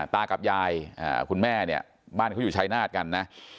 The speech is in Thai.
ตากับยายคุณแม่เนี่ยบ้านเขาอยู่ชายนาฏกันนะ